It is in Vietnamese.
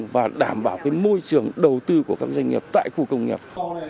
và đảm bảo môi trường đầu tư của các doanh nghiệp tại khu công nghiệp